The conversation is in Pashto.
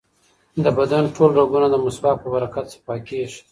د بدن ټول رګونه د مسواک په برکت صفا کېږي.